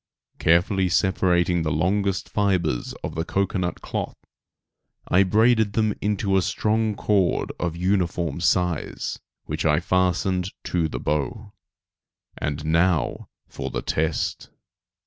Carefully separating the longest fibres of the cocoanut cloth. I braided them into a strong cord of uniform size, which I fastened to the bow. And now for the test!